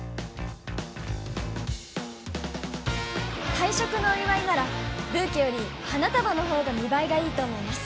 退職のお祝いならブーケより花束の方が見栄えがいいと思います